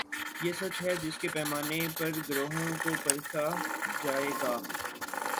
یہ سچ ہے جس کے پیمانے پر گروہوں کو پرکھا جائے گا۔